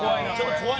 怖い。